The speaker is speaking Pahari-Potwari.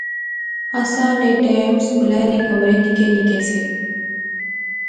اساں نے ٹیم سکولا نے کمرے نکے نکے سے